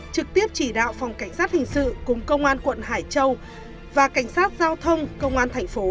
trực tiếp chỉ đạo phòng cảnh sát hình sự cùng công an quận hải châu và cảnh sát giao thông công an thành phố